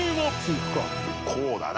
こうだな。